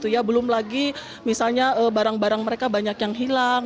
ya belum lagi misalnya barang barang mereka banyak yang hilang